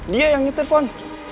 dia yang nyetir fon